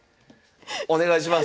お願いします。